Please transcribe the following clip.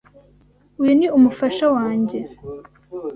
Uyu ni umufasha wanjye.